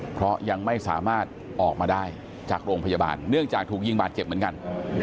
เพราะยังไม่สามารถออกมาได้จากโรงพยาบาลเนื่องจากถูกยิงบาดเจ็บเหมือนกัน